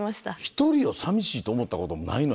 １人を寂しいと思ったことないの？